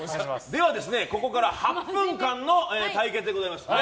では、ここからは８分間の対決でございます。